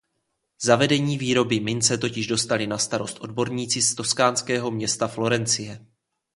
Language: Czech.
Zavedení výroby mince totiž dostali na starost odborníci z toskánského města Florencie.